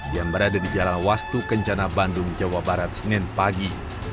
yang berada di jalan wastu kencana bandung jawa barat senin pagi